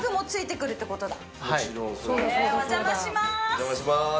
お邪魔します。